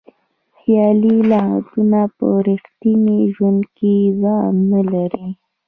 خیالي لغتونه په ریښتیني ژوند کې ځای نه لري.